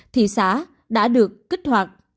thị xã đã được kích hoạt